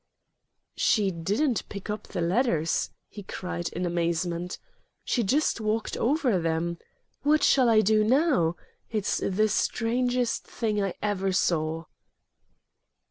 "She didn't pick up the letters," he cried, in amazement. "She just walked over them. What shall I do now? It's the strangest thing I ever saw."